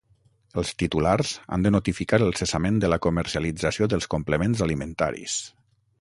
Els titulars han de notificar el cessament de la comercialització dels complements alimentaris.